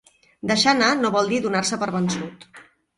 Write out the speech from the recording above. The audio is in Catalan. Deixar anar no vol dir donar-se per vençut.